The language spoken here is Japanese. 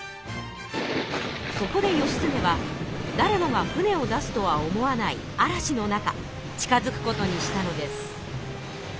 そこで義経はだれもが船を出すとは思わない嵐の中近づくことにしたのです。